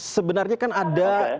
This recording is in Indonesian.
sebenarnya kan ada